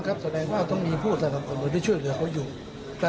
อ๋อครับแสดงว่าต้องมีผู้สำคัญของตำรวจที่ช่วยเหลือเขาอยู่